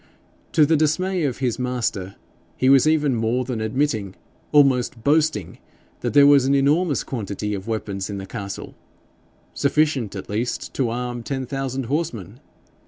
To the dismay of his master he was even more than admitting, almost boasting, that there was an enormous quantity of weapons in the castle sufficient at least to arm ten thousand horsemen!